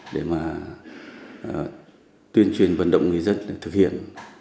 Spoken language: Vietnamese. để tuyên truyền vận động người dân thực hiện